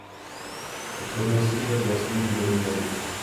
Vytvořil si však vlastní hudební jazyk.